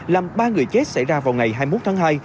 làm ba người chết xảy ra vào ngày hai mươi một tháng hai